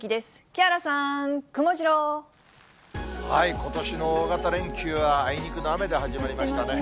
木原さん、ことしの大型連休は、あいにくの雨で始まりましたね。